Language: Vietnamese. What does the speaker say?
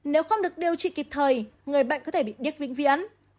nếu không được điều trị kịp thời người bệnh có thể bị điếc vĩnh viễn